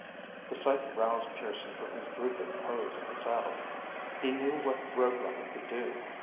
The sight roused Pearson from his drooping pose in the saddle. He knew what Road Runner could do.